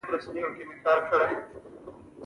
د ورځې مې شل افغانۍ مزدورۍ کړې ده.